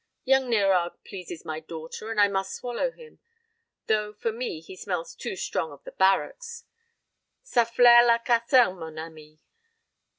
Young Nérague pleases my daughter, and I must swallow him, though for me he smells too strong of the barracks: ça flaire la caserne, mon ami."